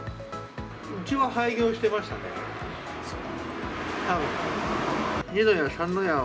うちは廃業してましたね、たぶん。